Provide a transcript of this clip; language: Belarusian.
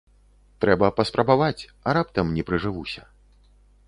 Трэба паспрабаваць, а раптам не прыжывуся.